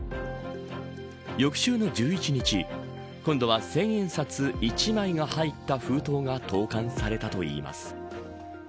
翌週の１１日今度は１０００円札１枚が入った封筒が投函されたといいます。